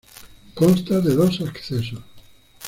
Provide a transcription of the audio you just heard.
Consta de dos accesos.